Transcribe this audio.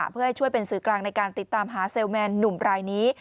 เพื่อให้ช่วยเป็นสื่อกลางในการติดตามหาเซลแมนหนุ่มรายนี้